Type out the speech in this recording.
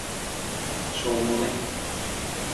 しょーもね